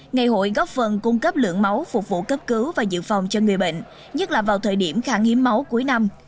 ngày hội góp phần cung cấp lượng máu phục vụ cấp cứu và dự phòng cho người bệnh nhất là vào thời điểm kháng hiếm máu cuối năm